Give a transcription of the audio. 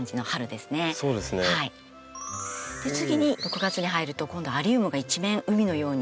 次に６月に入ると今度はアリウムが一面海のように。